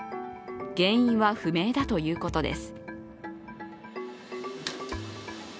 原因は不明だということです。